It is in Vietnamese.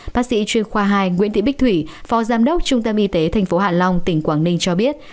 bác sĩ chuyên khoa hai nguyễn thị bích thủy phó giám đốc trung tâm y tế tp hạ long tỉnh quảng ninh cho biết